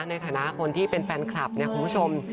ในฐานะคนที่เป็นแฟนคลับเนี่ยคุณผู้ชม